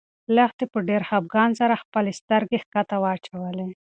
لښتې په ډېر خپګان سره خپلې سترګې ښکته واچولې.